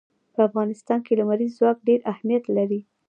په افغانستان کې لمریز ځواک ډېر اهمیت لري.